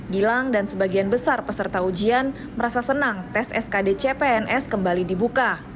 gilang dan sebagian besar peserta ujian merasa senang tes skd cpns kembali dibuka